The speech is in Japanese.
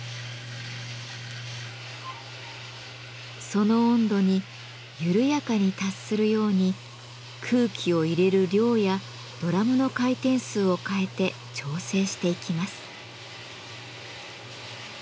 その温度に緩やかに達するように空気を入れる量やドラムの回転数を変えて調整していきます。